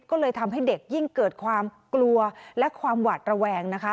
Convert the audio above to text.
ก็เลยทำให้เด็กยิ่งเกิดความกลัวและความหวาดระแวงนะคะ